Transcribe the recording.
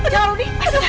jangan loh nih